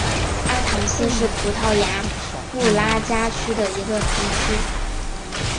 阿唐斯是葡萄牙布拉加区的一个堂区。